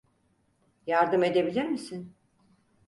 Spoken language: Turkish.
Yardım edebilir misin?